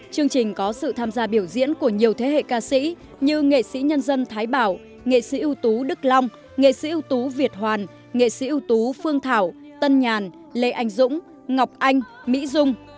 chương trình có sự tham gia biểu diễn của nhiều thế hệ ca sĩ như nghệ sĩ nhân dân thái bảo nghệ sĩ ưu tú đức long nghệ sĩ ưu tú việt hoàn nghệ sĩ ưu tú phương thảo tân nhàn lê anh dũng ngọc anh mỹ dung